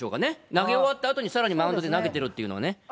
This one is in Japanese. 投げ終わったあとに、さらにマウンドで投げてるというのはね。